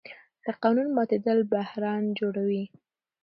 د قانون ماتېدل بحران جوړوي